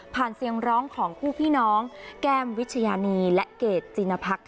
เสียงร้องของคู่พี่น้องแก้มวิชญานีและเกรดจินพัก